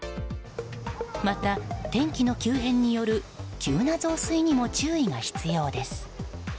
また天気の急変による急な増水にも注意が必要です。